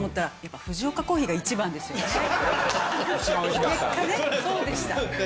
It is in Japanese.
結果そうでした。